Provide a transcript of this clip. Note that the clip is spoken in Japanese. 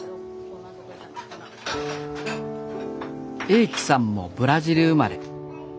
栄喜さんもブラジル生まれ。